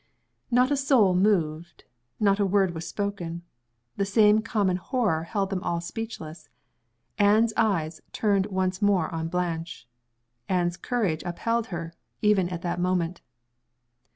Not a soul moved not a word was spoken. The same common horror held them all speechless. Anne's eyes turned once more on Blanche. Anne's courage upheld her, even at that moment.